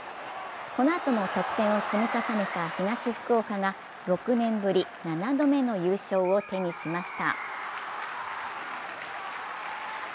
このあとも得点を積み重ねた東福岡が６年ぶり７度目の優勝を手にしました。